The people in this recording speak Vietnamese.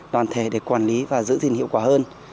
toàn thể để quản lý và giữ gìn hiệu quả hơn